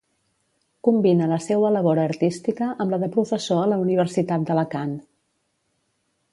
Combina la seua labor artística amb la de professor a la Universitat d'Alacant.